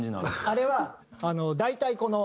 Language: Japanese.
あれは大体この。